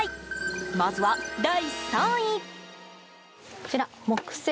まずは第３位。